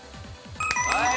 はい。